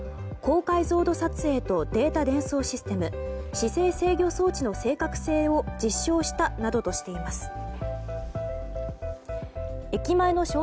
高解像度撮影とデータ伝送システム姿勢制御装置の正確性を実証したなどとしています。